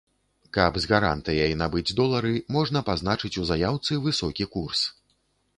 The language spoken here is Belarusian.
Каб з гарантыяй набыць долары, можна пазначыць у заяўцы высокі курс.